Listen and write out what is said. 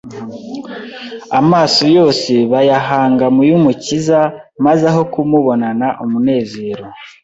Amaso yose bayahanga mu y'Umukiza maze aho kumubonana umunezero